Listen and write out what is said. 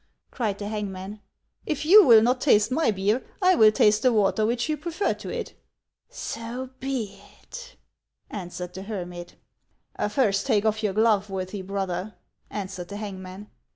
cried the hangman, " if you will not taste my beer, I will taste the water which you prefer to it." " So be it," answered the hermit, " First take off your glove, worthy brother," answered the hangman.